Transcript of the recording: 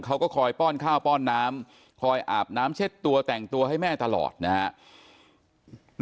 เขาก็คอยป้อนข้าวป้อนน้ำคอยอาบน้ำเช็ดตัวแต่งตัวให้แม่ตลอดนะครับ